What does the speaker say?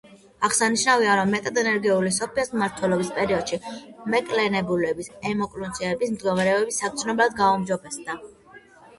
აღსანიშნავია, რომ მეტად ენერგიული სოფიას მმართველობის პერიოდში, მეკლენბურგის ეკონომიკური მდგომარეობა საგრძნობლად გაუმჯობესდა.